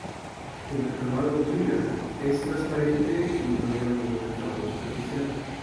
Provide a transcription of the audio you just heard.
El acabado Clear es transparente y no lleva ningún acabado superficial.